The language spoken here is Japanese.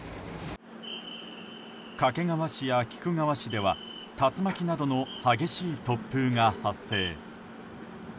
掛川市や菊川市では竜巻などの激しい突風が発生。